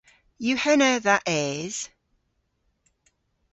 Yw henna dha es?